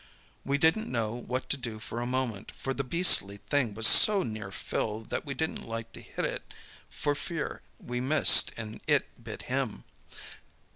We didn't know what to do for a moment, for the beastly thing was so near Phil that we didn't like to hit it for fear we missed and it bit him.